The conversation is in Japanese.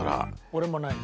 俺もない。